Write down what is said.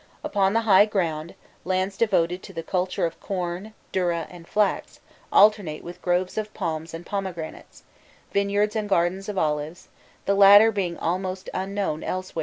Upon the high ground, lands devoted to the culture of corn, durra, and flax, alternate with groves of palms and pomegranates, vineyards and gardens of olives, the latter being almost unknown elsewhere in Egypt.